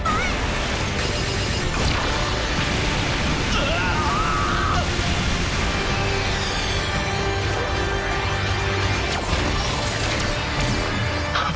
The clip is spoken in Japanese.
うわ！はっ！